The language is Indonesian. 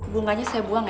bunganya saya buang ya